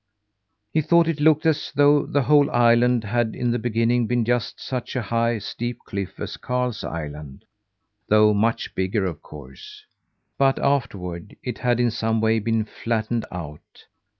He thought it looked as though the whole island had in the beginning been just such a high, steep cliff as Karl's Island though much bigger of course. But afterward, it had in some way been flattened out.